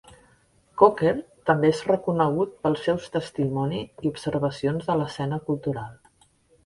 Cocker també és reconegut pel seus testimoni i observacions de l'escena cultural.